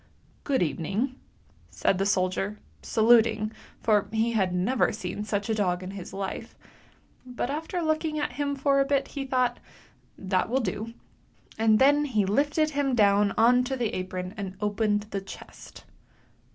" Good evening! " said the soldier, saluting, for he had never seen such a dog in his life; but after looking at him for a bit he thought, " that will do," and then he lifted him down on to the THE TINDER BOX 265 apron and opened the chest.